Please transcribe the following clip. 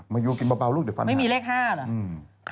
มาอยู่กินเบารูปเดือนฟันนะครับอเรนนี่ไม่มีเลข๕หรอ